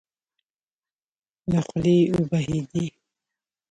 له خولې يې وبهېدې.